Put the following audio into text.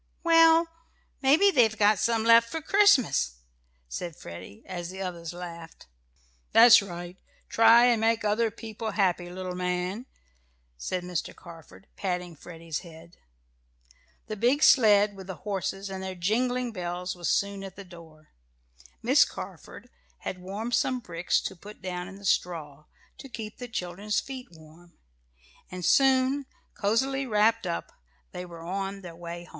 "Well, maybe they've got some left for Christmas," said Freddie, as the others laughed. "That's right try and make other people happy, little man," said Mr. Carford, patting Freddie's head. The big sled with the horses and their jingling bells was soon at the door. Miss Carford had warmed some bricks to put down in the straw, to keep the children's feet warm, and soon, cozily wrapped up, they were on their way home.